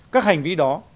các hành vi đó